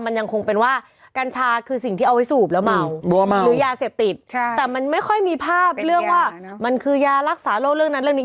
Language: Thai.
มันคือยารักษาโรครู้เรื่องนั้นเรื่องนี้